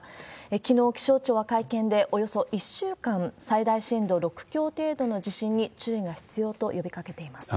きのう、気象庁は会見で、およそ１週間、最大震度６強程度の地震に注意が必要と呼びかけています。